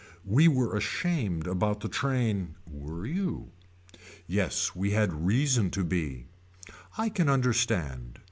We were ashamed about the train. Were you. Yes we had reason to be. I can understand.